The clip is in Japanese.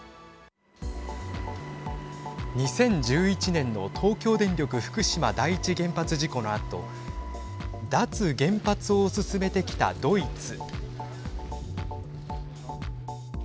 ２０１１年の東京電力福島第一原発事故のあと脱原発を進めてきたドイツ。